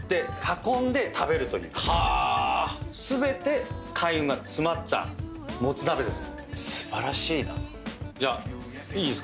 全て開運が詰まったモツ鍋です。